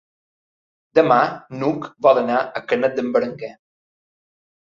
Demà n'Hug vol anar a Canet d'en Berenguer.